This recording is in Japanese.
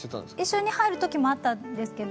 一緒に入るときもあったんですけど